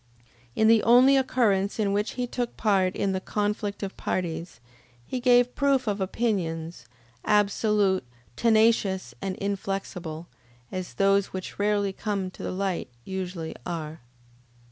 In the only occurrence in which he took part in the conflict of parties, he gave proof of opinions, absolute, tenacious, and inflexible, as those which rarely come to the light usually are.